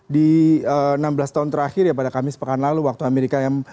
di enam belas tahun terakhir ya pada kamis pekan lalu waktu amerika yang